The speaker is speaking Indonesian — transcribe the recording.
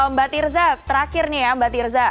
mbak tirza terakhir nih ya mbak tirza